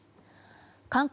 韓国